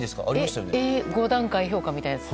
５段階評価みたいなやつ？